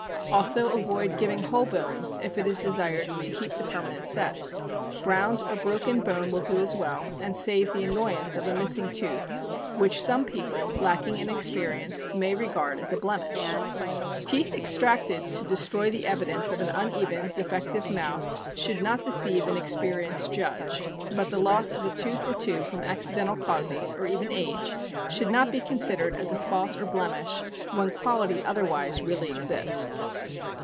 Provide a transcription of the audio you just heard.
Also avoid giving whole bones if it is desired to keep the permanent set; ground or broken bone will do as well, and save the annoy ance of a missing tooth, which some people — lacking in experience — may regard as a blemish. Teeth extracted to CHAMPION BRADFORD HARRY f A. K. C. S. B. 13124). Owned by Mr. P. H. Coombs, Bangor, Maine. destroy the evidence of an uneven, defective mouth should not deceive an experienced judge; but the loss of a tooth or two from accidental causes, or even age, should not be considered as a fault or blemish, when quality otherwise really exists.